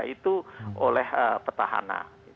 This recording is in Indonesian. jadi itu juga sudah diperoleh petahana